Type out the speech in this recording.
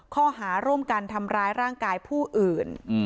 ข้อหาร่วมกันทำร้ายร่างกายผู้อื่น